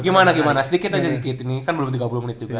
gimana gimana sedikit aja sedikit ini kan belum tiga puluh menit juga